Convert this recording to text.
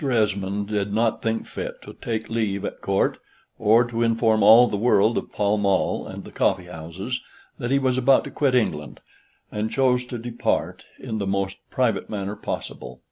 Esmond did not think fit to take leave at Court, or to inform all the world of Pall Mall and the coffee houses, that he was about to quit England; and chose to depart in the most private manner possible.